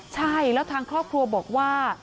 ใช่แล้วทางครอบครัวบอกว่า